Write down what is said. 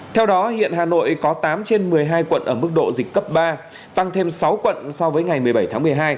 theo đó hiện hà nội có tám trên một mươi hai quận ở mức độ dịch cấp ba tăng thêm sáu quận so với ngày một mươi bảy tháng một mươi hai